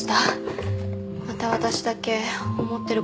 また私だけ思ってること違ってた。